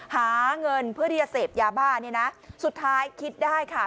หาเงินเพื่อที่จะเสพยาบ้าเนี่ยนะสุดท้ายคิดได้ค่ะ